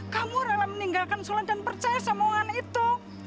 kamu rela meninggalkan sholat dan percaya sama orang itu